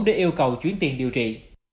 để yêu cầu chuyến tiền điều trị